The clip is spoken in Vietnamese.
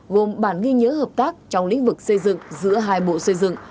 gồm bản ghi nhớ hợp tác trong lĩnh vực xây dựng giữa hai bộ xây dựng